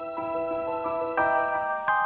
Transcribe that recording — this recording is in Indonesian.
lo diem berniagnya kalo di